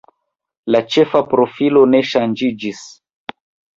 La ĉefa profilo ne ŝanĝiĝis.